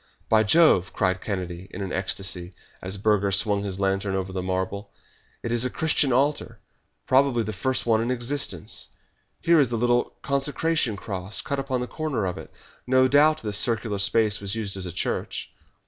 "By Jove!" cried Kennedy in an ecstasy, as Burger swung his lantern over the marble. "It is a Christian altar probably the first one in existence. Here is the little consecration cross cut upon the corner of it. No doubt this circular space was used as a church."